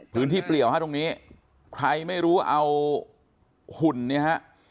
พื้นที่เปลี่ยวฮะตรงนี้ใครไม่รู้เอาหุ่นนี้ฮะ